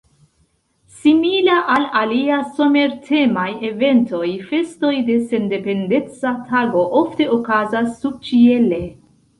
Simila al alia somer-temaj eventoj, festoj de Sendependeca Tago ofte okazas subĉiele.